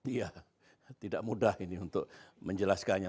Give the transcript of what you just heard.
iya tidak mudah ini untuk menjelaskannya